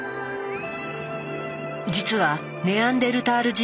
実はネアンデルタール人